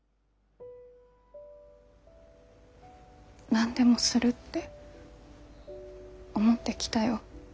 何でもするって思ってきたよ。